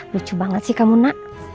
lucu banget sih kamu nak